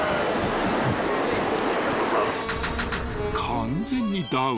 ［完全にダウン］